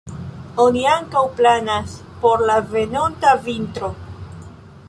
Oni ankaŭ planas por la venonta vintro.